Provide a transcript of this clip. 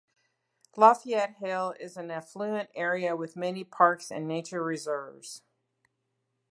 Lafayette Hill is an affluent area with many parks and nature reserves.